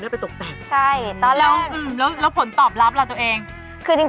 ตอนแรกคิดว่าอะไรหรือไหมนางมิน